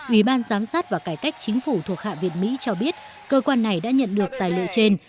ủy ban giám sát và cải cách chính phủ thuộc hạ viện mỹ cho biết cơ quan này đã nhận được tài liệu trên